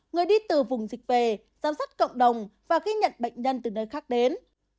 người đi từ vùng dịch về giám sát cộng đồng và ghi nhận bệnh nhân từ nơi khác đến